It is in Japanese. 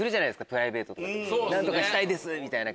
プライベートとかでも○○したいです！みたいな。